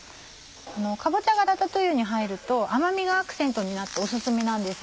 かぼちゃがラタトゥイユに入ると甘みがアクセントになってお薦めなんです。